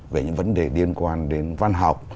về những vấn đề liên quan đến văn học